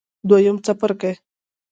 دویم څپرکی